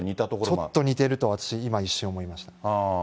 ちょっと似てると、私、一瞬思いました。